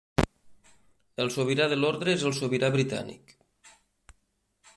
El Sobirà de l'Orde és el sobirà britànic.